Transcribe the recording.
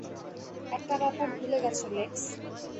একটা ব্যাপার ভুলে গেছো, লেক্স।